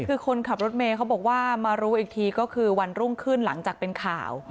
คือคนขับรถเมย์เขาบอกว่ามารู้อีกทีก็คือวันรุ่งขึ้นหลังจากเป็นข่าว